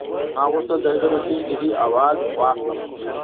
ما غوښتل د هغې روسۍ نجلۍ احوال واخلم